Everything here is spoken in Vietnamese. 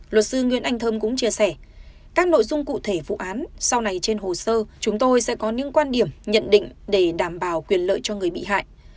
luật sư nguyễn anh thơm cũng chia sẻ các nội dung cụ thể vụ án sau này trên hồ sơ chúng tôi sẽ có những quan điểm nhận định để đảm bảo quyền lợi cho người bị hại